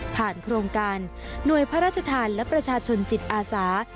โครงการหน่วยพระราชทานและประชาชนจิตอาสา